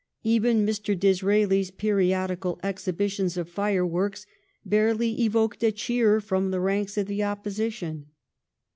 Even Mr. Disraeli's periodical exhibitions of fireworks barely evoked a cheer from the janks of the Opposition.